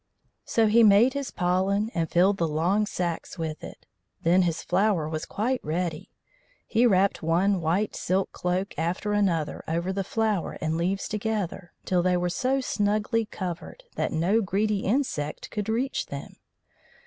So he made his pollen, and filled the long sacks with it. Then his flower was quite ready. He wrapped one white silk cloak after another over flower and leaves together, till they were so snugly covered that no greedy insect could reach them.